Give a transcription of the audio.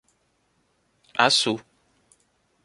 Açu